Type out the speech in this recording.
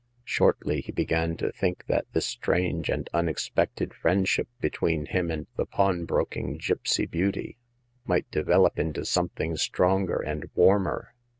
Shortly he began to think that this strange and unexpected friendship between himself and the pawnbroking gipsy beauty might develop into something stronger and warmer.